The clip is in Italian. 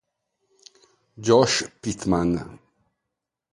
Josh Pittman